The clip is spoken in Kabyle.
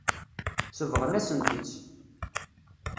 Sebɣen-asent-tt.